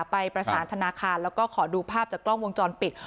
ไปประสานธนาคารแล้วก็ขอดูภาพจากกล้องวงจรปิด